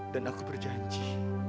dan aku berjanji